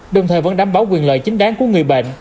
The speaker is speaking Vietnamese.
đồng thời vẫn đảm bảo quyền lợi chính đáng của người bệnh